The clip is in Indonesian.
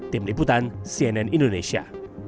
tim liputan cnn indonesia